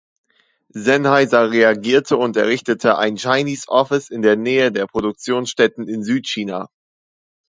Sennheiser reagierte und errichtete ein „Chinese Office“ in der Nähe der Produktionsstätten in Südchina.